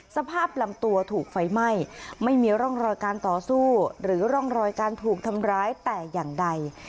สภาพลำตัวถูกไฟไหม้ไม่มีร่องรอยการต่อสู้หรือร่องรอยการถูกทำร้ายแต่อย่างใด